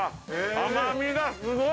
甘みがすごい！